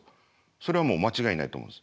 それは間違いないと思うんです。